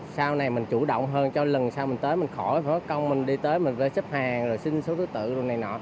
sau này mình chủ động hơn cho lần sau mình tới mình khỏi phải công mình đi tới mình về xếp hàng